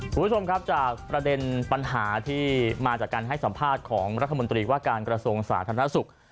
คุณผู้ชมครับจากประเด็นปัญหาที่มาจากการให้สัมภาษณ์ของรัฐมนตรีว่าการกระทรวงสาธารณสุข